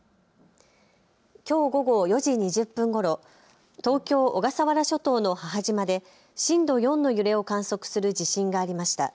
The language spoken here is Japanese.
きょう午後４時２０分ごろ、東京小笠原諸島の母島で震度４の揺れを観測する地震がありました。